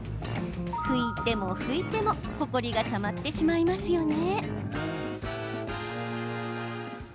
拭いても拭いても、ほこりがたまってしまいますよね。